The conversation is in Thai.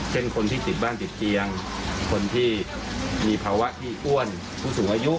คนที่ติดบ้านติดเตียงคนที่มีภาวะที่อ้วนผู้สูงอายุ